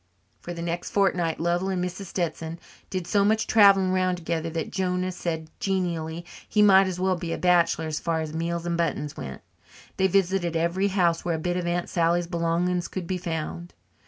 For the next fortnight Lovell and Mrs. Stetson did so much travelling round together that Jonah said genially he might as well be a bachelor as far as meals and buttons went. They visited every house where a bit of Aunt Sally's belongings could be found.